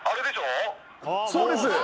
そうです